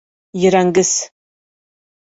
Ерәнгес!